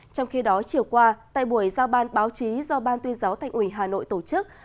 trong khi đó chiều qua tại buổi giao ban báo chí do ban tuyên giáo thành ủy hà nội tổ chức